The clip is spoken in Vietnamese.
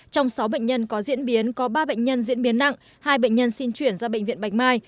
trong sáu bệnh nhân có diễn biến có ba bệnh nhân diễn biến nặng hai bệnh nhân xin chuyển ra bệnh viện bạch mai